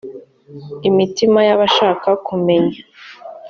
imitima y’abashaka kumumenya